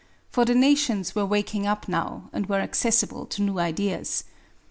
For the nations were waking up now, and were accessible to new ideas.